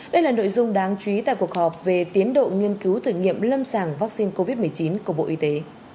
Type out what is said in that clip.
đây là nội dung đáng chú ý tại cuộc họp về tiến độ nghiên cứu thử nghiệm lâm sàng vaccine covid một mươi chín của bộ y tế